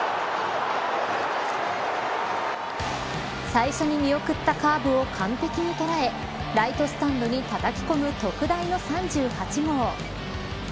最初に見送ったカーブを完璧に捉えライトスタンドにたたき込む特大の３８号。